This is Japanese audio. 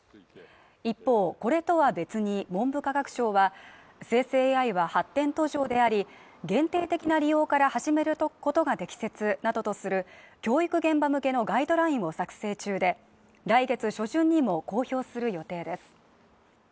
一方、これとは別に、文部科学省は、生成ＡＩは発展途上であり限定的な利用から始めることが適切などとする教育現場向けのガイドラインを作成中で、来月初旬にも公表する予定です。